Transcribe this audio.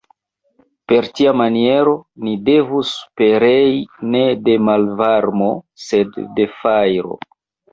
Per tia maniero ni devus perei ne de malvarmo, sed de fajro.